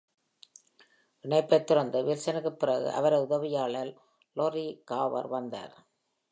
இணைப்பைத் தொடர்ந்து, வில்சனுக்குப் பிறகு அவரது உதவியாளர் Lori Garver வந்தார்.